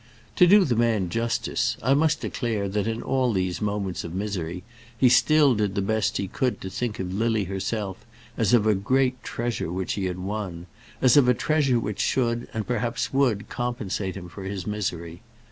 To do the man justice, I must declare that in all these moments of misery he still did the best he could to think of Lily herself as of a great treasure which he had won, as of a treasure which should, and perhaps would, compensate him for his misery.